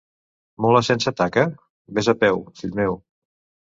Mula sense taca? Ves a peu, fill meu!